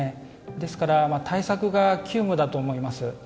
ですから、対策が急務だと思います。